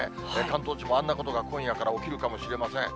関東地方もあんなことが今夜から起きるかもしれません。